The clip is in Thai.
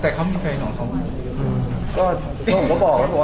เออท่องเข้าบอกแล้ว